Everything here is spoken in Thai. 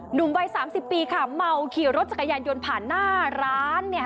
หนุ่มวัย๓๐ปีค่ะเมาขี่รถจักรยานยนต์ผ่านหน้าร้านเนี่ย